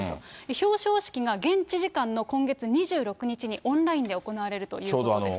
表彰式が現地時間の今月２６日にオンラインで行われるということです。